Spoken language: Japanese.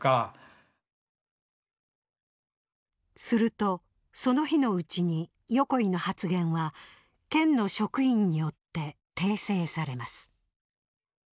するとその日のうちに横井の発言は県の職員によって訂正されます。